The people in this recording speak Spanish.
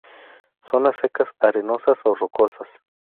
Zonas secas arenosas o rocosas.